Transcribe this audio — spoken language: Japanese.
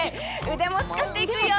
腕も使っていくよ！